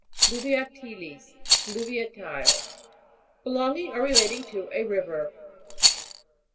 FLUVIATI'LIS. Fluviatile ; belonging or relating to a river.